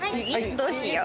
どうしよう？